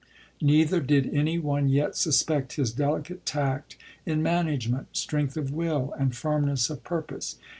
Neither did any ODe yet suspect his delicate tact in management, strength of will, and firmness of purpose.